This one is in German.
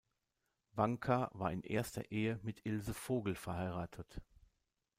Wanka war in erster Ehe mit Ilse Vogl verheiratet.